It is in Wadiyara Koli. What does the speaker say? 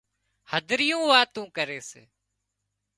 هڌريون واتون ڪري سي